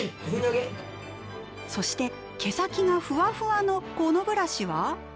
そして毛先がフワフワのこのブラシは。